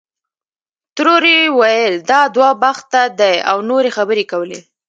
ترور ویل دا دوه بخته دی او نورې خبرې یې کولې.